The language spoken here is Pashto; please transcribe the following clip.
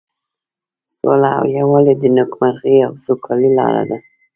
سوله او یووالی د نیکمرغۍ او سوکالۍ لاره ده.